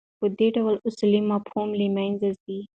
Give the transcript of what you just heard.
په دې ډول اصلي مفهوم له منځه ځي.